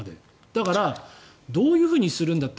だからどういうふうにするんだって